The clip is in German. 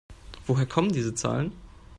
Woher kommen diese Zahlen?